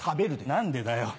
何でだよ？